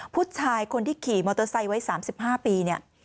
ผู้ชายคนที่ขี่มอเตอร์ไซค์ไว้๓๕ปีเนี่ย